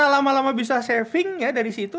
ya lama lama bisa saving ya dari situ